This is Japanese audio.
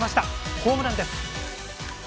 ホームランです。